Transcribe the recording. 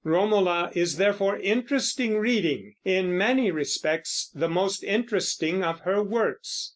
Romola is therefore interesting reading, in many respects the most interesting of her works.